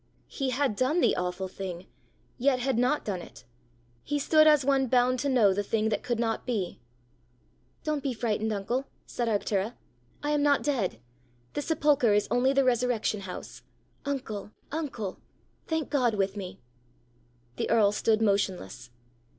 He had done the awful thing, yet had not done it! He stood as one bound to know the thing that could not be. "Don't be frightened, uncle," said Arctura. "I am not dead. The sepulchre is the only resurrection house! Uncle, uncle! thank God with me." The earl stood motionless.